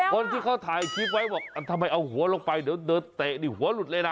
คนที่เขาถ่ายคลิปไว้บอกทำไมเอาหัวลงไปเดี๋ยวเดินเตะนี่หัวหลุดเลยนะ